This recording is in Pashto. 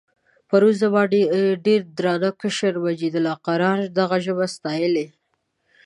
پرون زما ډېر درانه کشر مجیدالله جان قرار دغه ژبه ستایلې.